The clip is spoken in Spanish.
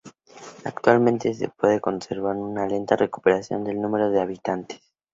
Actualmente se puede observar una lenta recuperación del número de habitantes.